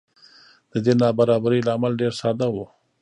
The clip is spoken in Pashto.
د دې نابرابرۍ لامل ډېر ساده و